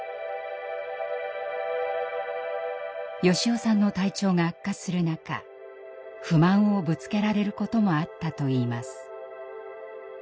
良雄さんの体調が悪化する中不満をぶつけられることもあったといいます。